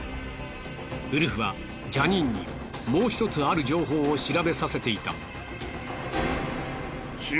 ウルフはジャニーンにもう１つある情報を調べさせていた。